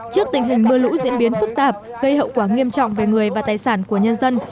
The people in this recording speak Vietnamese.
trước tình hình mưa lũ diễn biến phức tạp gây hậu quả nghiêm trọng về người và tài sản của nhân dân